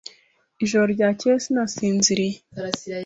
Ijoro ryakeye sinasinziriye.